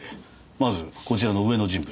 まずこちらの上の人物。